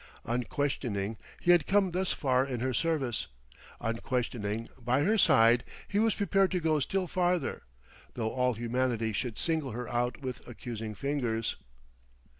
Unquestioning he had come thus far in her service; unquestioning, by her side, he was prepared to go still farther, though all humanity should single her out with accusing fingers....